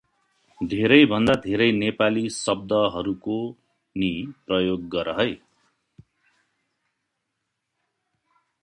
धेरै भन्दा धेरै नेपाली शब्दहरुको नि प्रयोग गर है ।